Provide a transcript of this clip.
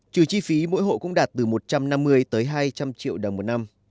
trừ chi phí mỗi hộ cũng đạt từ một trăm năm mươi tới hai trăm linh triệu đồng một năm